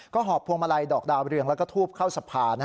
หอบพวงมาลัยดอกดาวเรืองแล้วก็ทูบเข้าสะพาน